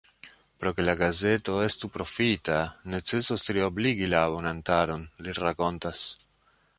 Por ke la gazeto estu profita, necesos triobligi la abontantaron, li rakontas.